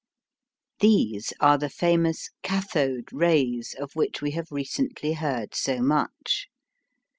These are the famous "cathode rays" of which we have recently heard so much.